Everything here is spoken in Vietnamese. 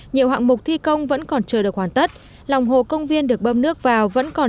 nhiều hạng mục thi công vẫn còn chưa được hoàn tất lòng hồ công viên được bơm nước vào vẫn còn